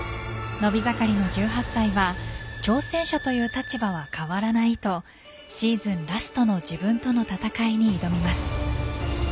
伸び盛りの１８歳は挑戦者という立場は変わらないとシーズンラストの自分との戦いに挑みます。